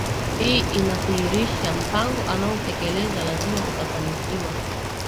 hii inadhihirisha mpango anaoutekeleza lazima utafanikiwa